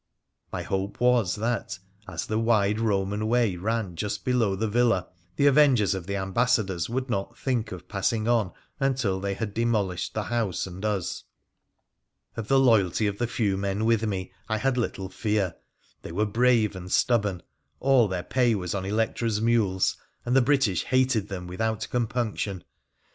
My hope was that, as the wide Roman way ran just below the villa, the avengers of the Ambassadors would not think of passing on until they had demolished the house and us. Of the loyalty of the few men with me I had little fear. They were brave and stubborn, all their pay was on Electra's mules, and the British hated them without compunction.